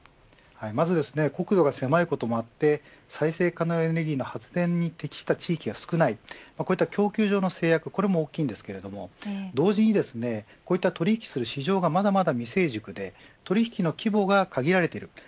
まず国土が狭いこともあって再生可能エネルギーの発電に適した地域が少ないこうした供給上の制約が大きいですが同時に、こうした取引する市場がまだまだ未成熟で取引の規模が限られている。